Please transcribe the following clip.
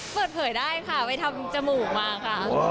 เปิดเผยได้ค่ะไปทำจมูกมาค่ะ